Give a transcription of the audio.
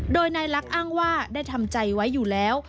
โดยนายลักษณ์อ้างว่าได้ทำใจไว้อยู่แล้ว